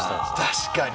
確かに。